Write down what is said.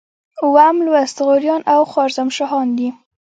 اووم لوست غوریان او خوارزم شاهان دي.